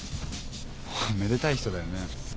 おめでたい人だよね。